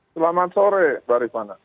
selamat sore bariswana